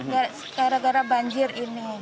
gara gara banjir ini